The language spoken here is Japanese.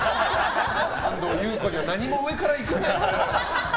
安藤優子には何も上からいくな。